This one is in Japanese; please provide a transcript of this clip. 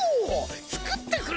つくってくれるか！